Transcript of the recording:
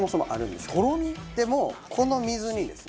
でもこの水にですよ